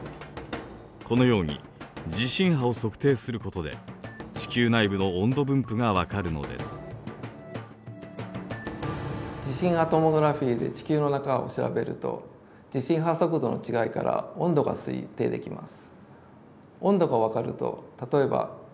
このように地震波を測定することで地震波トモグラフィーで地球の中を調べると地震波速度の違いから温度が推定できます。